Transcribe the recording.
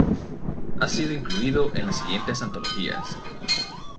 Ha sido incluido en las siguientes antologías.